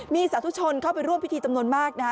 มีสาธุชนเข้าไปร่วมพิธีจำนวนมากนะฮะ